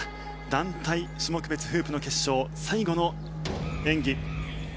団体種目別フープの決勝最後の演技